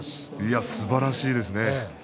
すばらしいですね。